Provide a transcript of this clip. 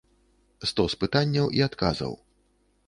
Стос пытанняў і адказаў.